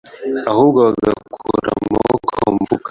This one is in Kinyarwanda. ahubwo bagakura amaboko mu mufuka